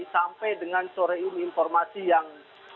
sampai dengan sore ini informasi yang